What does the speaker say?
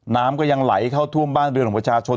น้ำก็ยังไหลเข้าท่วมบ้านเรือนของประชาชน